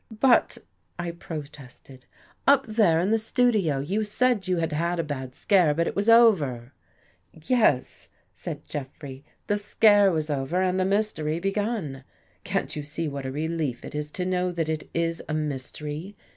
" But," I protested, " up there in the studio, you said you had had a bad scare, but it was over." " Yes," said Jeffrey. " The scare was over and the mystery begun. Can't you see what a relief it is to know that it is a mystery?